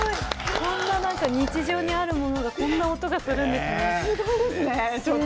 こんな日常にあるものがこんな音がするんですね、すごい。